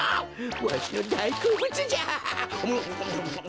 わしのだいこうぶつじゃ。